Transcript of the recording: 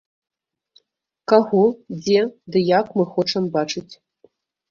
Каго, дзе ды як мы хочам бачыць.